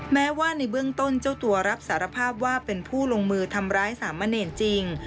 แม้ว่าในเบื้องต้นเจ้าตัวรับสารภาพว่าเป็นผู้ลงมือทำร้ายสามเณรจริง